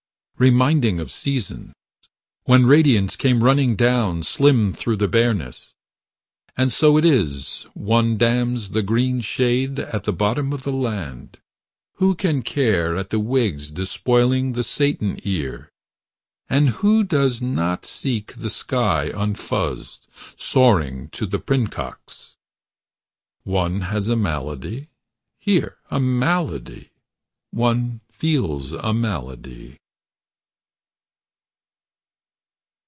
reminding of seasons. When radiance came running down, slim through the bareness. And so it is one damns that green shade at the bottom of the land. For who can care at the wigs despoiling the Satan ear? 8 And who does not seek the sky unfuzzed, soaring to the princox ? One has a malady, here, a malady. One feels a malady.